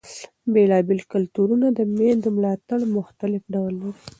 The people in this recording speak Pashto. بېلابېل کلتورونه د مېندو ملاتړ مختلف ډول لري.